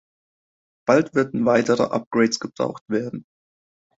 Bald würden weitere Upgrades gebraucht werden.